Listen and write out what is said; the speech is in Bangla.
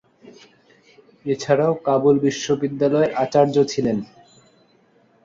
এছাড়াও কাবুল বিশ্ববিদ্যালয়ের আচার্য ছিলেন।